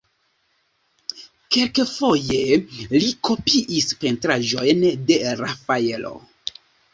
Kelkfoje li kopiis pentraĵojn de Rafaelo.